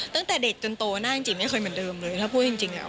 ตั้งแต่เด็กจนโตหน้าจริงไม่เคยเหมือนเดิมเลยถ้าพูดจริงแล้ว